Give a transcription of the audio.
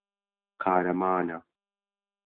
قارەمانە.